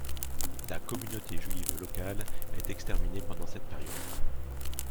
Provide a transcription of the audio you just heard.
La communauté juive locale est exterminée pendant cette période.